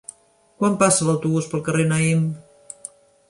Quan passa l'autobús pel carrer Naïm?